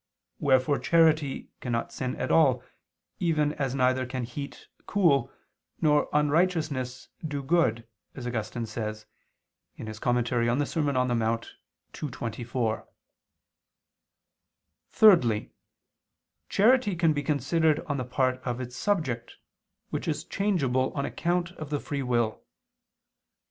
Wherefore charity cannot sin at all, even as neither can heat cool, nor unrighteousness do good, as Augustine says (De Serm. Dom. in Monte ii, 24). Thirdly, charity can be considered on the part of its subject, which is changeable on account of the free will.